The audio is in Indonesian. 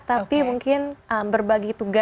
tapi mungkin berbagi tugas